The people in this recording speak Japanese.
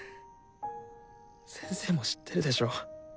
先生も知ってるでしょ？